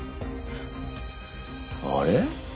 あれ？